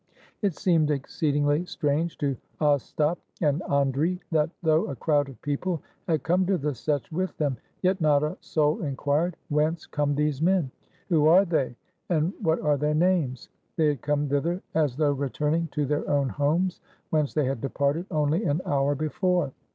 It seemed exceedingly strange to Ostap and Andrii, that, though a crowd of people had come to the Setch with them, yet not a soul inquired, ''Whence come these men?" "Who are they?" and "What are their names?" They had come thither as though returning to their own homes whence they had departed only an hour before.